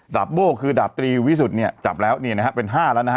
โบ้คือดาบตรีวิสุทธิ์เนี่ยจับแล้วเนี่ยนะฮะเป็น๕แล้วนะฮะ